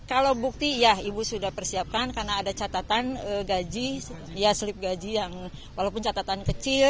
kalau bukti ya ibu sudah persiapkan karena ada catatan gaji ya selip gaji yang walaupun catatan kecil